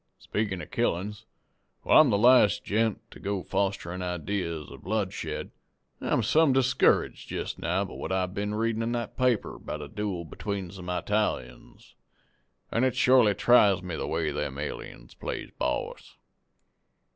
"Speakin' of killin's, while I'm the last gent to go fosterin' idees of bloodshed, I'm some discouraged jest now by what I've been readin' in that paper about a dooel between some Eytalians, an' it shorely tries me the way them aliens plays boss.